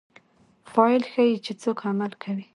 فاعل ښيي، چي څوک عمل کوي.